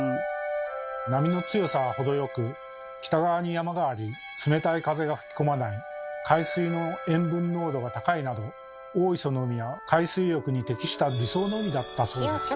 波の強さがほどよく北側に山があり冷たい風が吹き込まない海水の塩分濃度が高いなど大磯の海は海水浴に適した理想の海だったそうです。